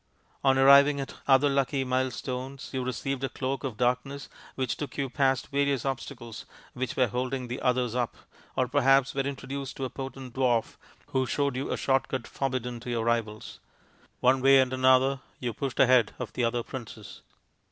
On arriving at other lucky milestones you received a cloak of darkness, which took you past various obstacles which were holding the others up, or perhaps were introduced to a potent dwarf, who showed you a short cut forbidden to your rivals. One way and another you pushed ahead of the other princes.